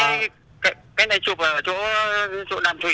cái này chụp ở chỗ nam thủy